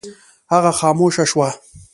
هغه خاموشه شوه.